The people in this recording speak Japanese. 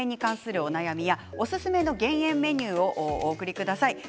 減塩に関するお悩みやおすすめの減塩メニューをお送りください。